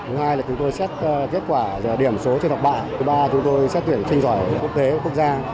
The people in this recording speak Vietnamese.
thứ hai là chúng tôi xét kết quả điểm số trên học bạ thứ ba chúng tôi xét tuyển sinh giỏi quốc tế quốc gia